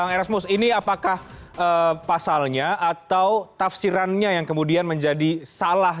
bang erasmus ini apakah pasalnya atau tafsirannya yang kemudian menjadi salah